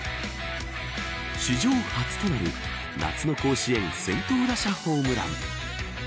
史上初となる夏の甲子園先頭打者ホームラン。